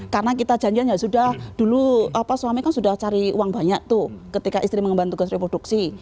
karena kita janjian ya sudah dulu suami kan sudah cari uang banyak tuh ketika istri mengembang tugas reproduksi